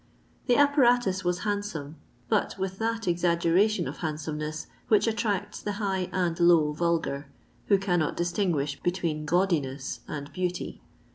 The apparatus was handsome, but with that exaffgera* tion of handsomeness which attracts the high and low vulgar, who cannot distinguish between gaudi ness and beauty.